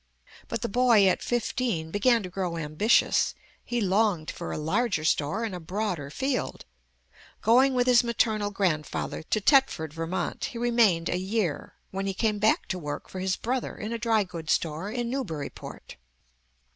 But the boy at fifteen began to grow ambitious. He longed for a larger store and a broader field. Going with his maternal grandfather to Thetford, Vt., he remained a year, when he came back to work for his brother in a dry goods store in Newburyport.